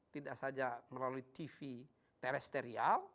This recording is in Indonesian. tidak saja melalui tv teresterial